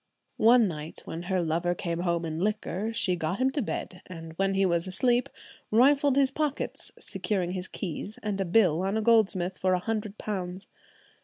One night when her lover came home in liquor, she got him to bed, and when he was asleep rifled his pockets, securing his keys and a bill on a goldsmith for a hundred pounds.